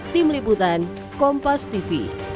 tim liputan kompas tv